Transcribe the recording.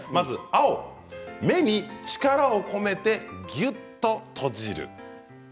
青、目に力を込めてぎゅっと閉じる。